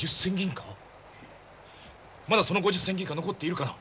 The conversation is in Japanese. まだその５０銭銀貨は残っているかな？